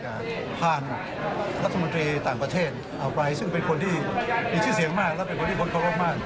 ผ่านรัฐมนตรีต่างประเทศออกไปซึ่งเป็นคนที่มีชื่อเสียงมากและเป็นคนที่คนเคารพมาก